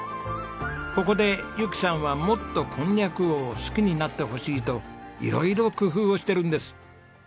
ここで由紀さんはもっとこんにゃくを好きになってほしいと色々工夫をしてるんです。